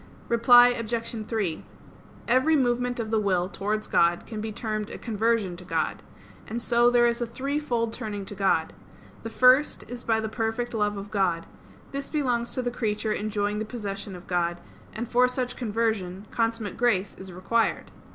Reply Obj. 3: Every movement of the will towards God can be termed a conversion to God. And so there is a threefold turning to God. The first is by the perfect love of God; this belongs to the creature enjoying the possession of God; and for such conversion, consummate grace is required.